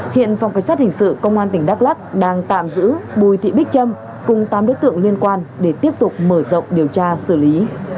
hiện phòng cảnh sát hình sự công an tỉnh đắk lắc đang tạm giữ bùi thị bích trâm cùng tám đối tượng liên quan để tiếp tục mở rộng điều tra xử lý